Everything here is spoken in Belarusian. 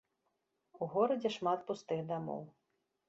У горадзе шмат пустых дамоў.